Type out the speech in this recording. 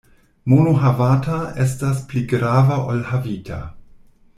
Mono havata estas pli grava ol havita.